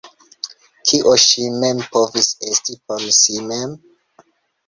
Kio ŝi mem povis esti por si mem?